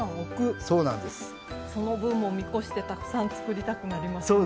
その分も見越してたくさん作りたくなりますね。